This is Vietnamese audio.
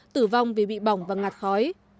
tử vong vì bị bỏng và ngạt khói